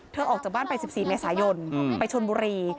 ออกจากบ้านไป๑๔เมษายนไปชนบุรี